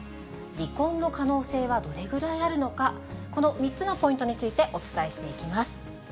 離婚の可能性はどれぐらいあるのか、この３つのポイントについてお伝えしていきます。